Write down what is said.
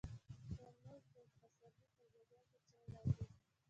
ترموز د پسرلي تازه ګل ته چای راوړي.